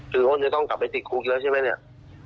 คือเขาจะต้องกลับไปติดคุกแล้วใช่ไหมเนี่ย